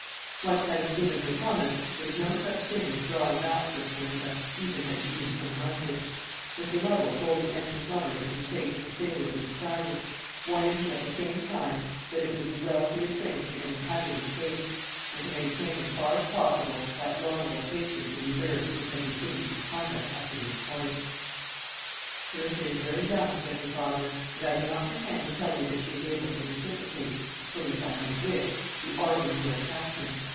Once having given her promise, there was no such thing as drawing back for Clarissa, even had she been so minded. Mr. Lovel told the anxious lover that his fate was favourably decided, warning him at the same time that it would be well to refrain from any hazardous haste, and to maintain as far as possible that laudable patience and reserve which had distinguished his conduct up to this point. "Clarissa is very young," said her father; "and I do not pretend to tell you that she is able to reciprocate, as fully as I might wish, the ardour of your attachment.